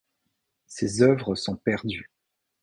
Ces œuvres sont perdues.